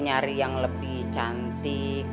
nyari yang lebih cantik